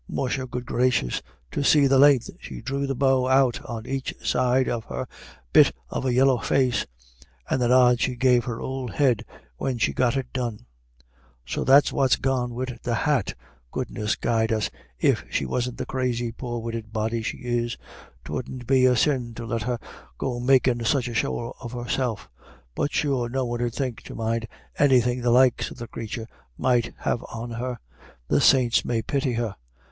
Musha good gracious, to see the len'th she drew the bow out on aich side of her bit of a yeller face, and the nod she gave her ould head when she'd got it done. So that's what's gone wid the hat. Goodness guide us, if she wasn't the poor crazy witted body she is, 'twould be a sin to let her go makin' such a show of herself; but sure no one 'ud think to mind anythin' the likes of the crathur might have on her, the saints may pity her.